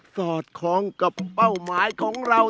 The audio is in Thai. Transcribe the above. สอดคล้องกับเป้าหมายของเรา